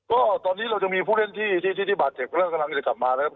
ก็ตอนนี้เราจะมีผู้เล่นที่ที่ที่บาดเจ็บเพราะฉะนั้นกำลังจะกลับมานะครับ